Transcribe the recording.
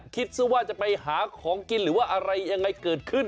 คิดซะว่าจะไปหาของกินหรือว่าอะไรยังไงเกิดขึ้น